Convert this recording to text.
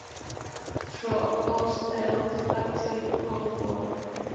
Šlo o stealth akci Cold War.